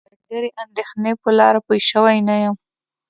له ډېرې اندېښنې په لاره پوی شوی نه یم.